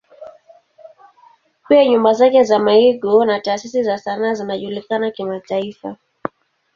Pia nyumba zake za maigizo na taasisi za sanaa zinajulikana kimataifa.